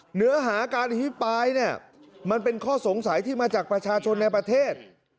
เหนือหาการอภิปรายเนี่ยมันเป็นข้อสงสัยที่มาจากประชาชนในประเทศ